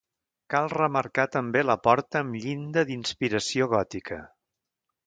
Cal remarcar també la porta amb llinda d'inspiració gòtica.